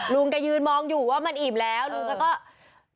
ลุงแกยืนมองอยู่ว่ามันอิ่มแล้วลุงแกก็